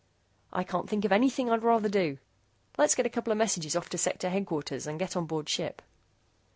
"I can't think of anything I'd rather do. Let's get a couple of messages off to Sector Headquarters and get on board ship."